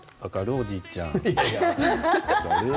おじいちゃん。